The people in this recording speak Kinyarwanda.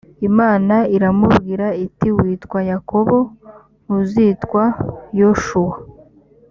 imana iramubwira iti witwa yakobo ntuzitwa yoshuwa